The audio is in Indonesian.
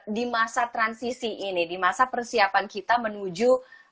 di masa transisi ini di masa persiapan kita menuju